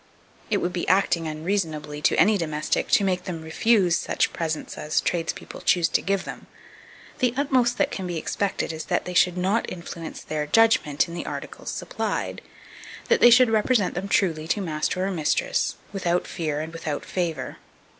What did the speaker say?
It would be acting unreasonably to any domestic to make them refuse such presents as tradespeople choose to give them; the utmost that can be expected is that they should not influence their judgment in the articles supplied that they should represent them truly to master or mistress, without fear and without favour.